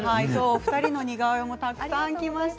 ２人の似顔絵もたくさんきました。